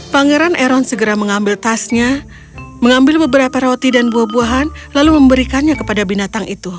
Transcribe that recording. pangeran eron segera mengambil tasnya mengambil beberapa roti dan buah buahan lalu memberikannya kepada binatang itu